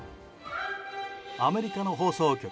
アメリカの放送局